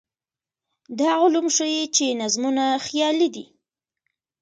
دا علوم ښيي چې نظمونه خیالي دي.